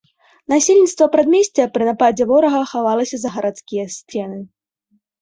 Насельніцтва прадмесця пры нападзе ворага хавалася за гарадскія сцены.